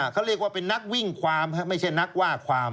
เขาเรียกว่าเป็นนักวิ่งความไม่ใช่นักว่าความ